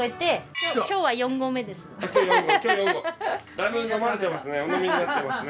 だいぶ飲まれてますね。